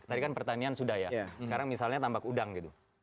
tadi kan pertanian sudah ya sekarang misalnya tambak udang gitu